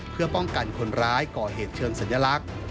เพื่อป้องกันคนร้ายก่อเหตุเชิงสัญลักษณ์